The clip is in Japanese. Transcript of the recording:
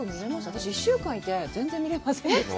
私、１週間いて、全然、見れませんでした。